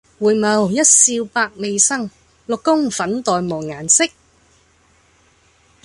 回眸一笑百媚生，六宮粉黛無顏色。